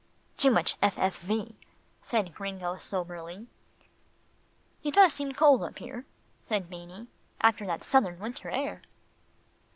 "Too much F. F. V.," said Gringo soberly. "It does seem cold up here," said Beanie, "after that southern winter air."